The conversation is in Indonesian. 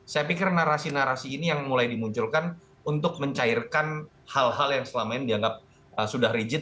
saya pikir narasi narasi ini yang mulai dimunculkan untuk mencairkan hal hal yang selama ini dianggap sudah rigid